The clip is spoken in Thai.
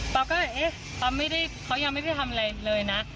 ป๊อปก็เอ๊ะป๊อปไม่ได้เขายังไม่ได้ทำอะไรเลยนะ